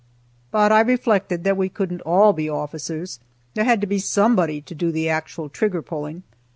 But I reflected that we couldn't all be officers, there had to be somebody to do the actual trigger pulling.